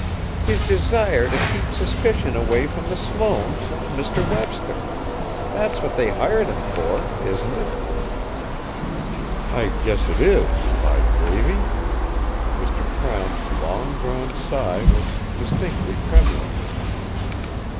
"His desire to keep suspicion away from the Sloanes and Mr. Webster. That's what they hired him for isn't it?" "I guess it is by gravy!" Mr. Crown's long drawn sigh was distinctly tremulous.